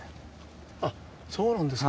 あっそうなんですか。